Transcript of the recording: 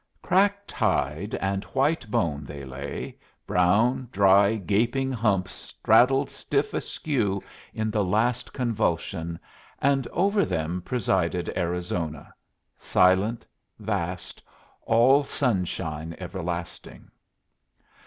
Cracked hide and white bone they lay, brown, dry, gaping humps straddled stiff askew in the last convulsion; and over them presided Arizona silent, vast, all sunshine everlasting.